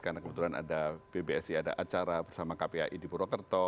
karena kebetulan ada pbsi ada acara bersama kpai di purwokerto